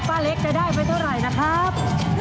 เล็กจะได้ไปเท่าไหร่นะครับ